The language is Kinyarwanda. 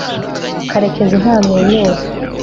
karekezi ntamwenyura